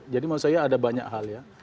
jadi menurut saya ada banyak hal ya